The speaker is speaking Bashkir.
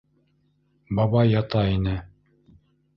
Бабай ята ине.